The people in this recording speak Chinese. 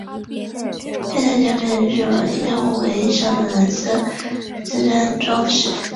月台墙面使用以天空为意象的蓝色磁砖装饰。